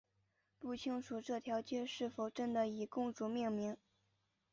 不清楚这条街是否真的以公主命名。